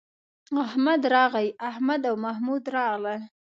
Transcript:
احمد راغی، احمد او محمود راغلل